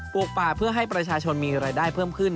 ป่าเพื่อให้ประชาชนมีรายได้เพิ่มขึ้น